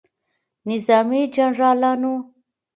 نظامي جنرالانو